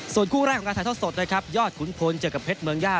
ส่วนคู่แรกของการถ่ายทอดสดนะครับยอดขุนพลเจอกับเพชรเมืองย่า